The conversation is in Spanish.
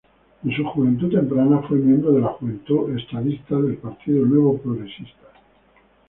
En su juventud temprana fue miembro de la Juventud Estadista del Partido Nuevo Progresista.